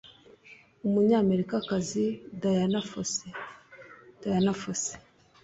Umunyamerikakazi Dayana Fose (Diana Fossey)